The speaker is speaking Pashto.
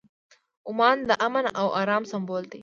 عمان د امن او ارام سمبول دی.